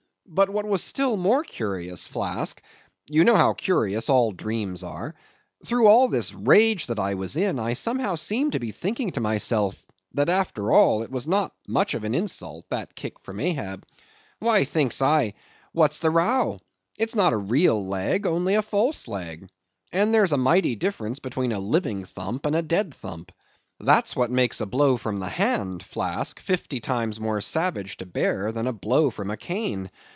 But what was still more curious, Flask—you know how curious all dreams are—through all this rage that I was in, I somehow seemed to be thinking to myself, that after all, it was not much of an insult, that kick from Ahab. 'Why,' thinks I, 'what's the row? It's not a real leg, only a false leg.' And there's a mighty difference between a living thump and a dead thump. That's what makes a blow from the hand, Flask, fifty times more savage to bear than a blow from a cane.